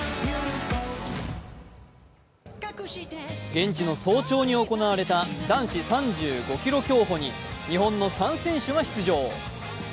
現地の早朝に行われた男子３５ｋｍ競歩に日本の３選手が出場。